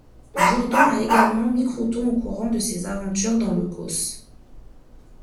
Jourdan a également mis Crouton au courant de ses aventures dans le Causse.